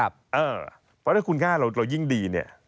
เพราะถ้าคุณค่าเรายิ่งดีเนี่ย